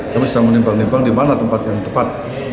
kami sedang menimbang nimbang di mana tempat yang tepat